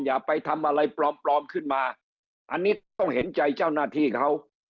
อย่าไปทำอะไรปลอมปลอมขึ้นมาอันนี้ต้องเห็นใจเจ้าหน้าที่เขา